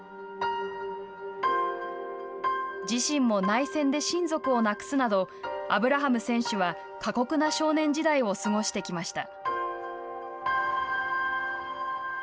自身も内戦で親族を亡くすなどアブラハム選手は過酷な少年時代を過ごしてきました。